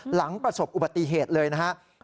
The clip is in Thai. หลังประสบอุบัติเหตุเลยนะครับ